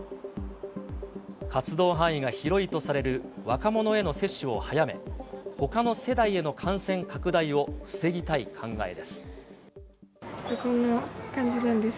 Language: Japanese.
活動範囲が広いとされる若者への接種を早め、ほかの世代への感染拡大を防ぎたい考えです。